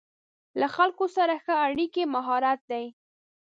له خلکو سره ښه اړیکې مهارت دی.